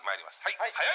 「はい」。